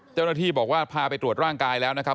เจ้าหน้าที่บอกว่าพาไปตรวจร่างกายแล้วนะครับ